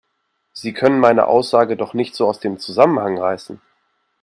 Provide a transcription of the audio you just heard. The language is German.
Sie können meine Aussage doch nicht so aus dem Zusammenhang reißen